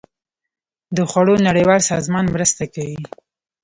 د خوړو نړیوال سازمان مرسته کوي.